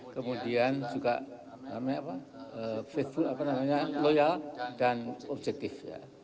kemudian juga facebook loyal dan objektif